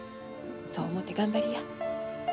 そう思うて頑張りや。